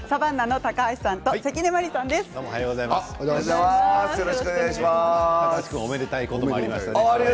高橋君、おめでたいことがありましたね。